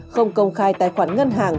không công khai tài khoản ngân hàng